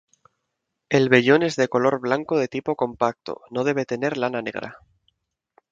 El vellón es de color blanco de tipo compacto, no debe tener lana negra.